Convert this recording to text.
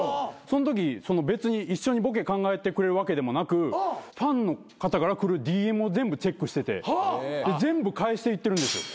そんとき別に一緒にボケ考えてくれるわけでもなくファンの方から来るＤＭを全部チェックしてて全部返していってるんですよ。